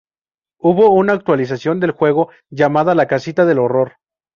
Hubo una actualización del juego llamada La Casita del Horror.